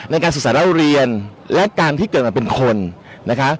ในการศึกษาเล่าเรียนและการที่เกิดมาเป็นคนนะคะ